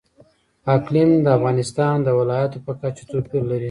اقلیم د افغانستان د ولایاتو په کچه توپیر لري.